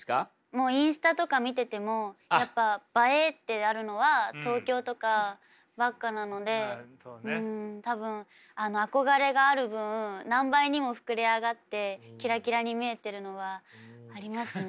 もうインスタとか見ててもやっぱ映えってあるのは東京とかばっかなので多分憧れがある分何倍にも膨れ上がってキラキラに見えてるのはありますね。